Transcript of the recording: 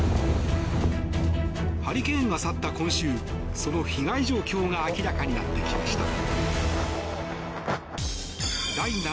ハリケーンが去った今週その被害状況が明らかになってきました。